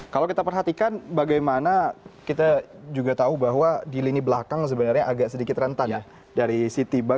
kalau kita perhatikan bagaimana kita juga tahu bahwa di lini belakang sebenarnya agak sedikit rentan dari city bank